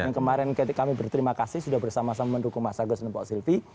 yang kemarin kami berterima kasih sudah bersama sama mendukung mas agus dan pak silvi